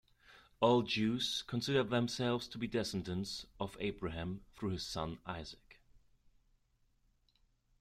All Jews consider themselves to be descendants of Abraham through his son Isaac.